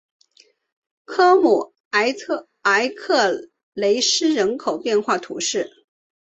科尔姆埃克吕斯人口变化图示